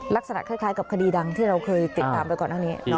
ลักษณะคล้ายกับคดีดังที่เราเคยติดตามไปก่อนหน้านี้